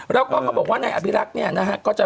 แล้วก็เขาบอกว่านายอภิรักษ์เนี่ยนะฮะ